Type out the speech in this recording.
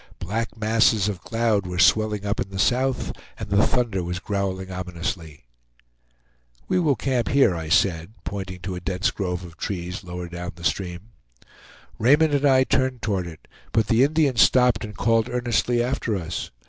Black masses of cloud were swelling up in the south, and the thunder was growling ominously. "We will camp here," I said, pointing to a dense grove of trees lower down the stream. Raymond and I turned toward it, but the Indian stopped and called earnestly after us.